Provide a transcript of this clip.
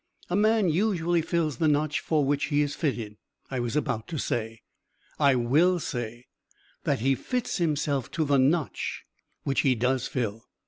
A man usually fills the notch for which he is fitted: I was about to say I will say that he fits himself to the notch which he does fill.